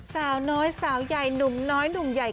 สาวน้อยสาวใหญ่หนุ่มน้อยหนุ่มใหญ่